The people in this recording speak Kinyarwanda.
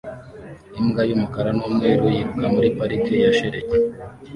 Imbwa y'umukara n'umweru yiruka muri parike ya shelegi